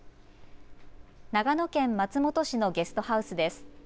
長野県松本市のゲストハウスです。